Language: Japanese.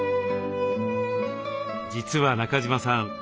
実は中島さん